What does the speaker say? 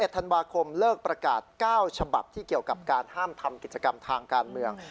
ธันวาคมเลิกประกาศ๙ฉบับที่เกี่ยวกับการห้ามทำกิจกรรมทางการเมือง